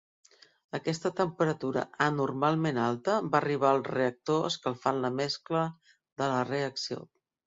Aquesta temperatura anormalment alta va arribar al reactor escalfant la mescla de la reacció.